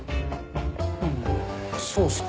そうっすか。